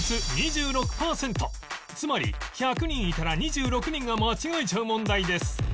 つまり１００人いたら２６人が間違えちゃう問題です